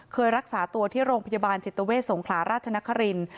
เคยรักษาตัวที่โรงพยาบาลจิตเวทสงขลาราชนครินทร์